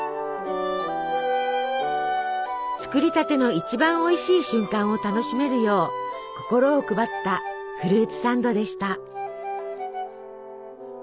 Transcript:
作りたての一番おいしい瞬間を楽しめるよう心を配ったフルーツサンドでした。